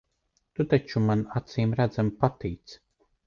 Tu taču man acīmredzami patīc.